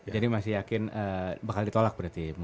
jadi masih yakin bakal ditolak berarti